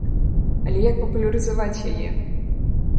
Але як папулярызаваць яе?